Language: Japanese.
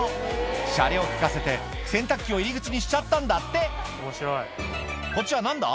しゃれをきかせて洗濯機を入り口にしちゃったんだってこっちは何だ？